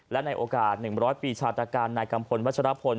และในโอกาส๑๐๐ปีชาตการนายกัมพลวัชรพล